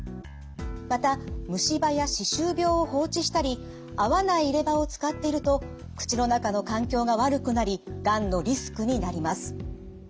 また虫歯や歯周病を放置したり合わない入れ歯を使っていると口の中の環境が悪くなりがんのリスクになります。